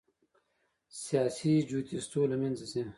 سیاسي جوجیتسو له منځه ځي.